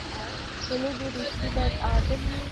د لوبې ریفري باید عادل وي.